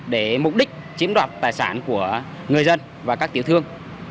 để mục đích chiếm đoạt tài sản của người dân và các tiểu thương